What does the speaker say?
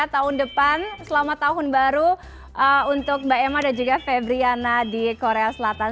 tahun depan selamat tahun baru untuk mbak emma dan juga febriana di korea selatan